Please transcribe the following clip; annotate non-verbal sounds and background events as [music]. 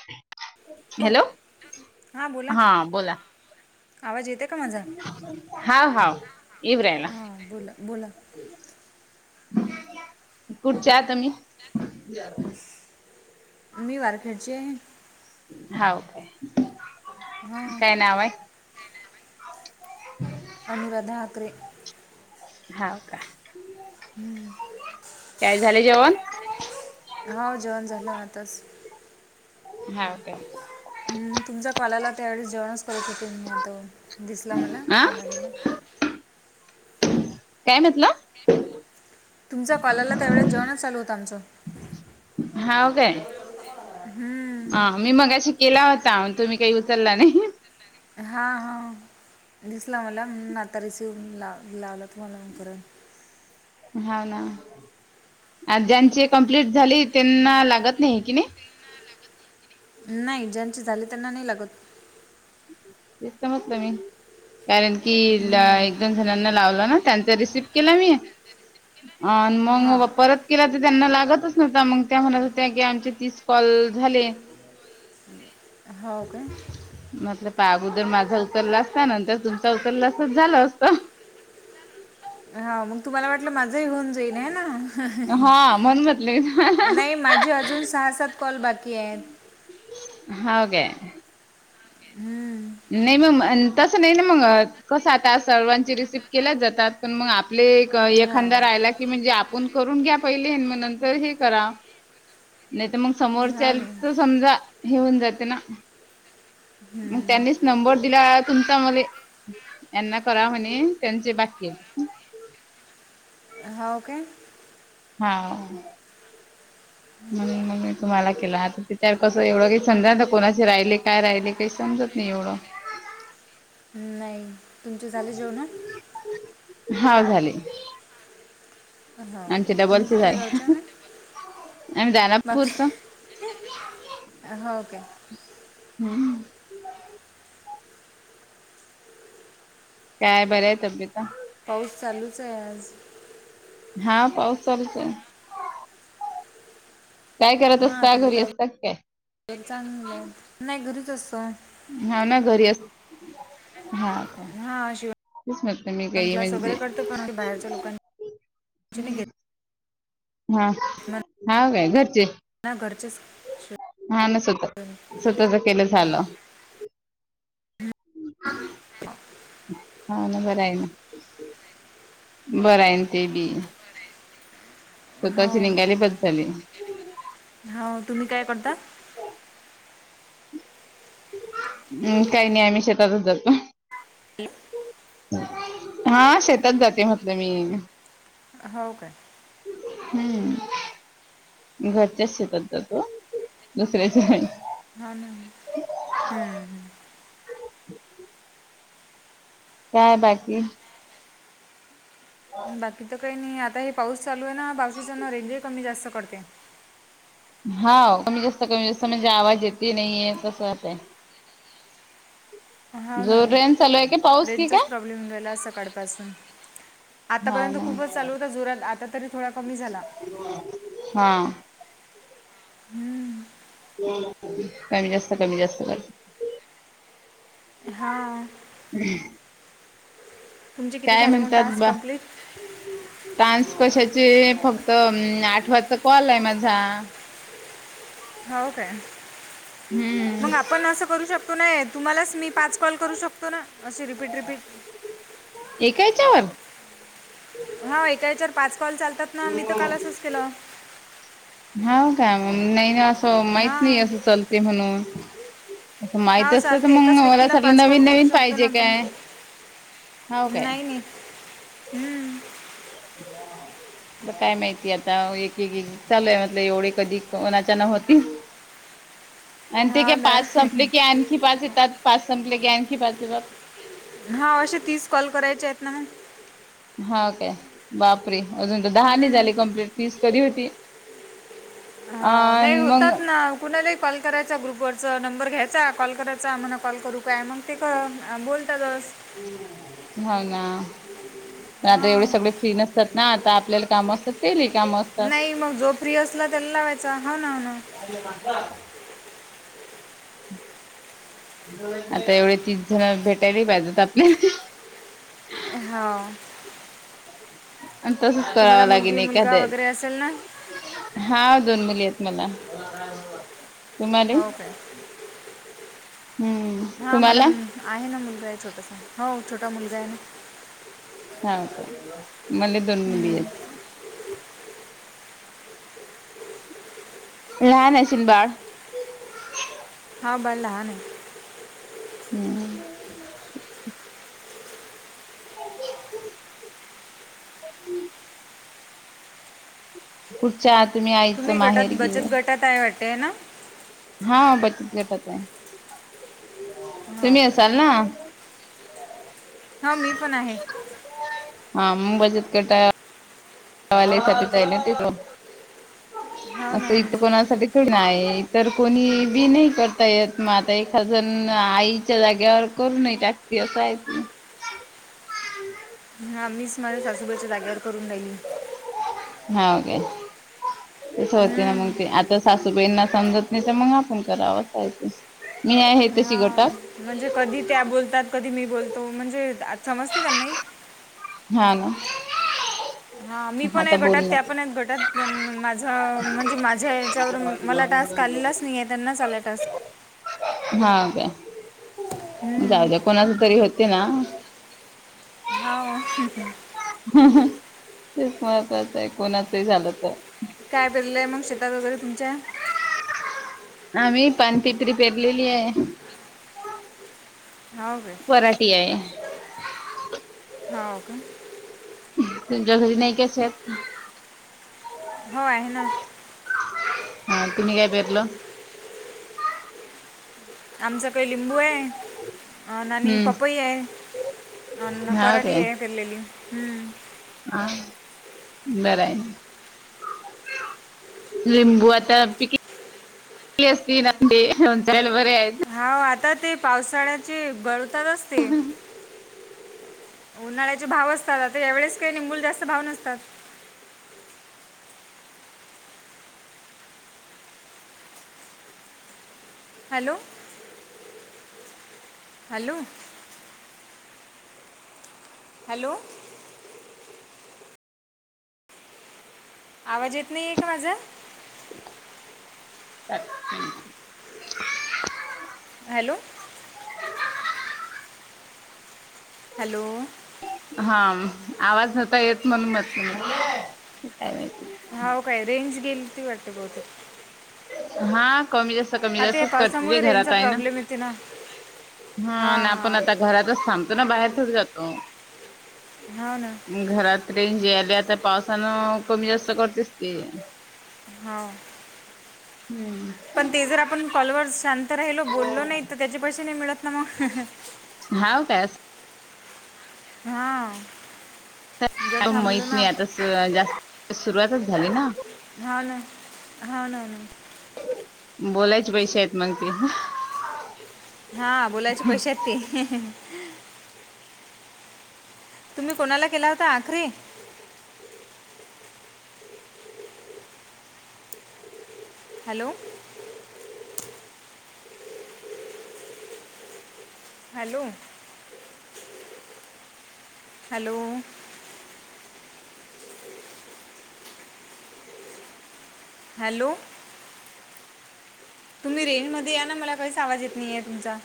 [inaudible] Hello, हा बोला. बोला आवाज येतंय? हा हाव ईवू राहीला. हां बोला बोला कुठच्या हाय तुम्ही? मी वारखेडची आहे. हाव काय, हां काय नाव आहे? अनुराधा अकरे. हाव का? हम्म. काय झालं जेवण? हाव जेवण झालं आताच. हाव काय? हम्म तुमच्या कॉल आला त्यावेळेस जेवणच करत होते मी‌. आता दिसला मला आ कॉल आलेला. काय म्हटलं? तुमचा कॉल आलेला त्यावेळेस जेवणच चालू होतं आमचं. हाव काय? हम्म, हा मी मगाशी केला होता तुम्ही काही उचलला नाही. हा, हा. दिसला मला आता रिसिव लाव लावला तुम्हाला परत. हा ना ज्यांचे कंप्लीट झाली त्यांना लागत नाही कि नाही. नाही ज्यांची झाली त्यांना नाही लागत. तेच तर म्हटलं मी. कारण की हम्म, एक दोन जणांना लावलं ना त्यांचा रिसिव केला मी. अन् मग हां परत केला तर त्यांना लागतच नव्हता, मग त्या म्हणत होत्या की आमचे तीस कॉल झाले. हो काय मतलब पहा अगोदर माझा उचलला असता नंतर तुमचा उचलला असता झालं असतं. हा मग तुम्हाला वाटलं माझंही होऊन जाईन आहे ना. हा [unintelligible] नाही माझे अजून सहा सात कॉल बाकी आहेत. हाव काय? हम्म. नाही म म तसं नाही ना मगं कसं आता सर्वांची रिसिप केल्याच जातात पण मग आपले एख हो एखांदा राहिला की म्हणजे आपण करून घ्या पहिले मग नंतर हे करा. नाही तर मग हो समोरच्याल ना तर समजा हेऊन जाते ना मग हम्म. त्यांनीच नंबर दिला तुमचा मले. यांना करा म्हणे त्यांचे बाकी आहे. हाव काय? हा. म मग मी तुम्हाला केला आता त्या कसं एवढं काही समजा ना कोणाशी राहिले काय राहिले काही समजत नी एवढं. नाही तुमच्या झाले जेवणं? हा झाले. हाव काय आमचे तुम्ही डबलचे कुठल्या झाले गावच्या हा आम्ही बाप दानापूरच रे! हाव काय? हम्म. काय बरी आहे तब्येत ना? पाऊस चालूच आहे आज. हा पाऊस चालूच आहे. काय करत असता घरी असतात काय? तरी चांगलंय नाही घरीच असतो. हाव ना घरी अस हाव काय? हा शिवण तेच मिळते मी काही हे क्लास वगैरे म्हणजे करतो पण ते बाहेरच्या लोकांचे नाही घेत हा हा काय घरचे? हा घरचेच शिव- हा ना स्वतः स्वतःच केलं झालं. [inaudible] हा ना बरं आहे ना बरं आहे ना ते बी. हो स्वतःची लिंगाली बस झाली. हाव तुम्ही काय कडता? हम्म काही नाही आम्ही शेतातच जातो. हा शेतात जाते म्हटलं मी. हाव काय. हम्म घरच्याच शेतचा जातो दुसऱ्याच्या नाय. हा ना. हम्म हम्म. काय बाकी? बाकी तर काही नाही आता हे पाऊस चालू आहे ना पावशीचाना रेंजही कमी जास्त कडते. हाव कमी जास्त कमी जास्त म्हणजे आवाज येते नाहीे तसं होतेय. हाव ना जोर रेन चालू आहे की पाऊस की रेंजचाच काय प्रॉब्लेम गेला सकाळपासून. हा आतापर्यंत ना खूपच चालू होता जोरात आता तरी थोडा कमी झाला. हा. कमी जास्त, कमी जास्त करत. हा. हम्म. तुमचे किती झाले मग टास्क कंप्लीट? टान्स कशाचे फक्त न आठ वाजता कॉल आहे माझा. हाव काय हम्म मंग आपण असं करू शक तो नाही आहे तुम्हालाच मी पाच कॉल करू शकतो ना अशी रिपीट-रिपीट. एका याच्यावर हा एका याच्यावर पाच कॉल चालतात ना मी तर काल असच केलं. हाव काय म नाही ना असं माहीत नाही हां असं चालते म्हणून. माहिती हा असतं तर चालते मंग एकाच मला व्यक्तीला सगळं पाच कॉल नवीन करू नवीन शकतो ना पाहिजे आपण काय. हाव काय नाही नाही हम्म. ह. द काय माहितीय आता एक एक एक चालूय म्हटलं एवढे कधी कोणाच्यान होतील. आणि ते काय हा ना पाच संपले की आणखी पाच येतात पाच संपले की आणखी पाच येतात. हा अशे तीच कॉल करायचे आहेत ना म. हाव काय बाप रे अजून तर दहानी हम्म. झाली कंप्लीट तीस कधी होती. हाव नाही अन मग होतात ना. कुणालाही कॉल करायचा ग्रुपवरचं नंबर घ्यायचा कॉल करायचा म्हण कॉल करू काय मंग ते क अ बोलतातस. हो ना. मग आता एवढे हां सगळे फ्री नसतात ना आता आपल्याला काम असत. केले कामं नाही मग जो फ्री असला त्याला लावायचा हो ना हो ना. [inaudible] आता एवढे तीस जण भेटाय वी पाहिजेत आपले. हाव. आण तसच तुम्हाला करावं लागेल मुलगी मुलगा वगैरे असेल ना एखाद्या हा दोन मुली आहेत मला तुम्हाले? [inaudible] हो काय हम्म हा मला तुम्हाला म हा आहे ना मुलगा आहे छोटासा हो छोटा मुलगा आहे ना. हा का माले दोन मुली आहे. लहान अशीन बाळ? हा बाळ लहान आहे. हम्म. [unintelligible] हम्म. कुठच्या तुम्ही आईचं माहेर गे? त्यात आहे वाटते ना. हा बचत गटात आहे हो तुम्ही काय असाल ना. हा मी पण आहे. [unintelligible] वाले [unintelligible] आहे ना तिकडं हो असं ना हो इथं ना कोणासाठी नाहीय तर कोणी बी नाही करता येत मग आता एखाजण आईच्या जाग्यावर करू नाहीय त्यक्त असं आहेत. हा मीच माझ्या सासूबाईच्या जाग्यावर करून राह्यली. हा ओके. तसं होते ना मग हम्म. ते. आता सासूबाईंना समजत नाही, त्यामुळे आपण करावंच पाहिजे. मी आहे तशी हां गटात. म्हणजे कधी त्या बोलतात, कधी मी बोलतो. म्हणजे आज समजतंय त्यांनाही. हा मग? हा मी पण आहे गटात त्या पण आहेत गटात पन माझ म्हणजे माझ्या याच्यावरून मला टास्क काल्लाचं नाही आहे त्यांचं आला आहे टास्क. हा का हम्म, जाऊ दे कोणाचा तरी होते ना हाव तेच महत्वाचं आहे कोणाचही झालं तर काय बरलय मग शेतात वगैरे तुमच्या आम्ही पानपत्री पेरलेली आहे. हा. पराठी हाय. हा हो का. तुमच्या घरी नाही का शेत? हो आहे ना. हा, तुम्ही काय पेरलं? आमचं काही लिंबू आहे आन आणि हम्म पपई हाय, आन हा पराठी काय हाय पेरलेली. हम्म. हा, बर हाय. लिंबू आता पिकी ली असतील ना, ते लोणच्याला बरे हायत. हो आता ते पावसाळ्याचे [unintelligible] असते. उन्हाळ्याचे भाव असतात, आता यावेळेच काही लिंबूला जास्त भाव नसतात. हॅलो. हॅलो. हॅलो. आवाज येत नाहीये का माझा? [unintelligible] हॅलो. हॅलो. हा आवाज नव्हता येत म्हणून म्हटलं मग. [inaudible] हो काय रेंज गेली ती वाटतं बहुतेक. हा कमी जास्त कमी आता या जास्त पावसामुळे [unintelligible] घरात रेंजचा आहे ना. प्रॉब्लेम येते हा ना आपण हां आता घरातच थांबतो ना, बाहेर थोडीही जातो. हा ना. घरात रेंज यायल्या आता पावसानं कमी जास्त करतेच की. हा. हम्म. पण ते जर आपण कॉलवर शांत राहिलो, बोललो नाही तर त्याचे पैसे नाही मिळत ना मग? हाव काय असं हा. [unintelligible] माहित नाही, आता जास्त सुरुवातच झाली ना. हा ना, हा ना ना. बोलायचे पैशे आहेत मग ते. हा, बोलायच पैशे आहेत ते. तुम्ही कुणाला केला होता आखरी? हॅलो. हॅलो. हॅलो हॅलो तुम्ही रेंज मध्ये या ना मला काहीच आवाज येत नाहीे तुमचा.